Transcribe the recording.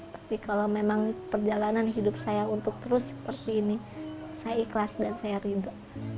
tapi kalau memang perjalanan saya untuk terus terus begini saya ikhlas dan saya rindu